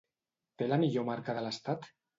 Té la millor marca de l'estat?